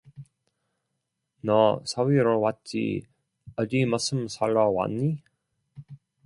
“너 사위로 왔지 어디 머슴살러 왔니?”